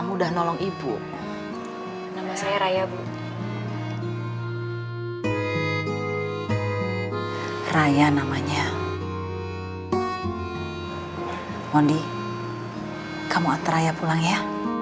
mondi kamu atur raya pulang ya